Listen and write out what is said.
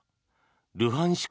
ルハンシク